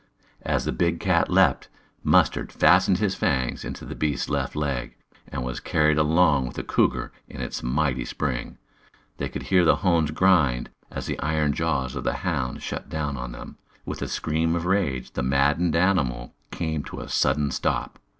As the big cat leaped, Mustard fastened his fangs into the beast's left leg, and was carried along with the cougar in its mighty spring. They could hear the hones grind as the iron jaws of the hound shut down on them. With a scream of rage, the maddened animal came to a sudden stop.